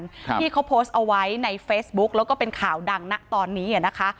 ครับที่เขาโพสต์เอาไว้ในเฟซบุ๊กแล้วก็เป็นข่าวดังนะตอนนี้อ่ะนะคะ